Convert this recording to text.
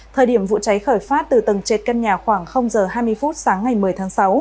thời điểm vụ cháy khởi phát từ tầng trệt căn nhà khoảng h hai mươi phút sáng ngày một mươi tháng sáu